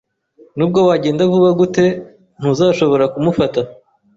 Nubwo wagenda vuba gute, ntuzashobora kumufata.